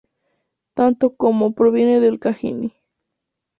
Tanto こ como コ provienen del kanji 己.